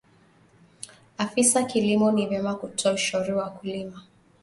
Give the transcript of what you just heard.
afisa kilimo ni vyema kutoa ushauri kwa wakulima